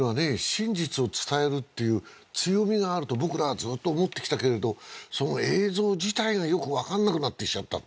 真実を伝えるっていう強みがあると僕らはずっと思ってきたけれどその映像自体がよく分かんなくなってきちゃった